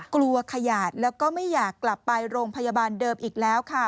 ขยดแล้วก็ไม่อยากกลับไปโรงพยาบาลเดิมอีกแล้วค่ะ